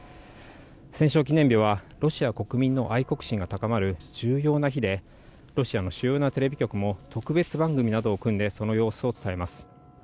戦勝記念日は、ロシア国民の愛国心が高まる重要な日で、ロシアの主要なテレビ局も、特別番組などを組んで、その様子を伝えます。